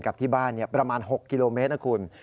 กับที่บ้านประมาณ๖กิโลเมตรนะคุณ